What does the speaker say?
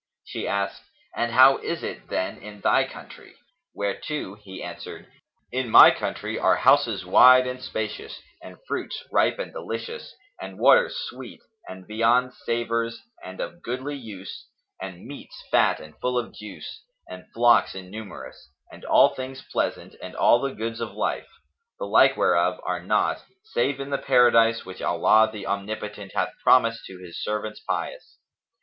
She asked, "And how is it then in thy country?"; whereto he answered, "In my country are houses wide and spacious and fruits ripe and delicious and waters sweet and viands savorous and of goodly use and meats fat and full of juice and flocks innumerous and all things pleasant and all the goods of life, the like whereof are not, save in the Paradise which Allah the Omnipotent hath promised to His servants pious."